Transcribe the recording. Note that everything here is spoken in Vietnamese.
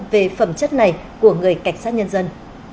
về phẩm chất này của người cảnh sát nhân dân